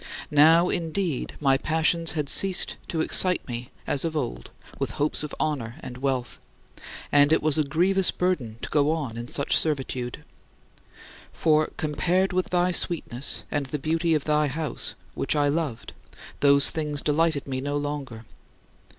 Now, indeed, my passions had ceased to excite me as of old with hopes of honor and wealth, and it was a grievous burden to go on in such servitude. For, compared with thy sweetness and the beauty of thy house which I loved those things delighted me no longer.